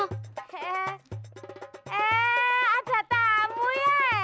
eh ada tamu ya